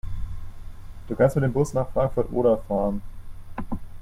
Du kannst mit dem Bus nach Frankfurt (Oder) fahren